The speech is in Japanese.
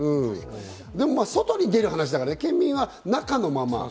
でも外に出る話だから、県民割は中のまま。